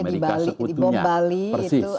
oleh sebab itu misalnya di bali itu